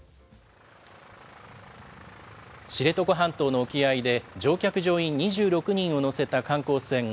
知床半島の沖合で、乗客・乗員２６人を乗せた観光船